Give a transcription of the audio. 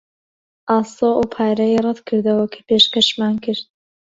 ئاسۆ ئەو پارەیەی ڕەت کردەوە کە پێشکەشمان کرد.